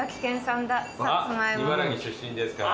茨城出身ですから。